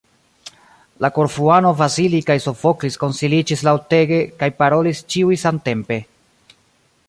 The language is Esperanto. La Korfuano, Vasili kaj Sofoklis konsiliĝis laŭtege kaj parolis ĉiuj samtempe.